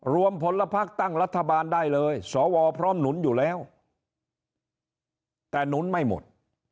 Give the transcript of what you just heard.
ผลพักตั้งรัฐบาลได้เลยสวพร้อมหนุนอยู่แล้วแต่หนุนไม่หมด